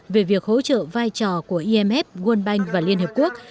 về việc hỗ trợ vai trò của imf world bank và liên hợp quốc